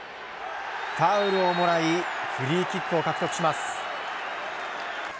ファウルをもらいフリーキックを獲得します。